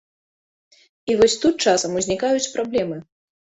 І вось тут часам узнікаюць праблемы.